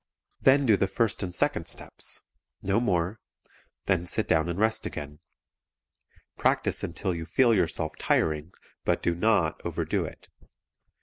Then do the first and second steps no more; then sit down and rest again. Practice until you feel yourself tiring, but DO NOT overdo it.